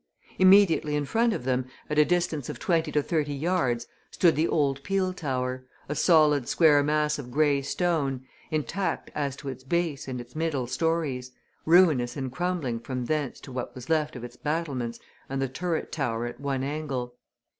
Immediately in front of them, at a distance of twenty to thirty yards, stood the old peel tower, a solid square mass of grey stone, intact as to its base and its middle stories, ruinous and crumbling from thence to what was left of its battlements and the turret tower at one angle.